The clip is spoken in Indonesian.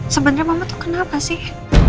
sebenarnya mama tuh kenapa sih